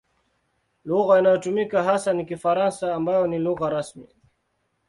Lugha inayotumika hasa ni Kifaransa ambayo ni lugha rasmi.